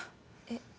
えっ。